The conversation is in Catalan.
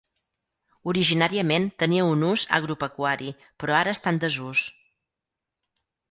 Originàriament tenia un ús agropecuari però ara està en desús.